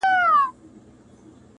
هر بغاوت لۀ محرومۍ نه وروسته وۀ زېږېږي